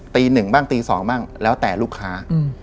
ตีหนึ่งบ้างตี๒บ้างแล้วแต่ลูกค้า